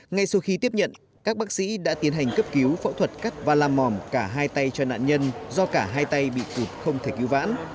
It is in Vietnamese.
ngay sau khi tiếp nhận các bác sĩ đã tiến hành cấp cứu phẫu thuật cắt và làm mỏm cả hai tay cho nạn nhân do cả hai tay bị cụt không thể cứu vãn